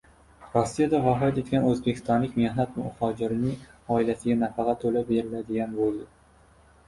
Rossiyada vafot etgan o‘zbekistonlik mehnat muhojirining oilasiga nafaqa to‘lab beriladigan bo‘ldi